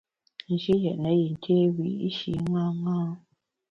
Nji yètne yin té wiyi’shi ṅaṅâ.